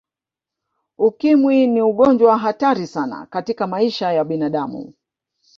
Ukimwi ni ugonjwa hatari sana katika maisha ya binadamu